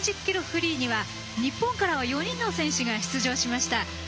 フリーには日本からは４人の選手が出場しました。